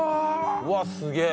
うわっすげえ！